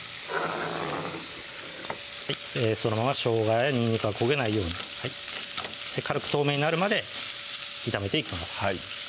そのまましょうがやにんにくが焦げないように軽く透明になるまで炒めていきます